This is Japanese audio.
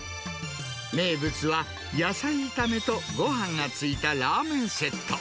名物は野菜炒めとごはんがついたラーメンセット。